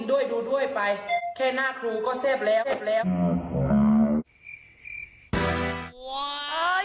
ดูด้วยไปแค่หน้าครูก็เสพแล้ว